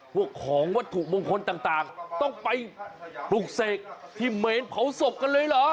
พวกของวัตถุมงคลต่างต้องไปปลูกเสกที่เมนเผาศพกันเลยเหรอ